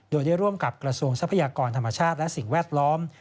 โดยได้ร่วมกับกระทรวงทรัพยากรธรรมชาติและสิ่งแวดล้อม